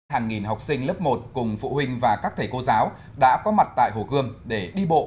hàng nghìn học sinh lớp một cùng phụ huynh và các thầy cô giáo đã có mặt tại hồ gươm để đi bộ